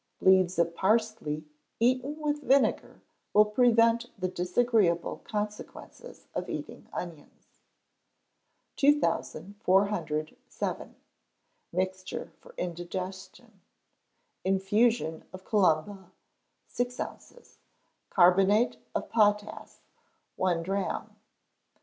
Leaves of parsley, eaten with vinegar, will prevent the disagreeable consequences of eating onions. 2407. Mixture for Indigestion. Infusion of calumba, six ounces; carbonate of potass, one drachm.